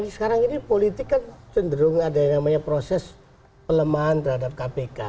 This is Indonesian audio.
sekarang ini politik kan cenderung ada yang namanya proses pelemahan terhadap kpk